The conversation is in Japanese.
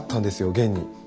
現に。